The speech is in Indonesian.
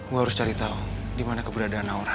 gue harus cari tau di mana keberadaan naura